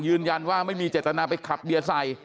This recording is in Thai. ยืนยันว่าไม่มีเจตนาไปขับเบียร์ใส่